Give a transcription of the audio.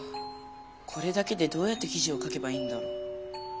これだけでどうやって記事を書けばいいんだろう。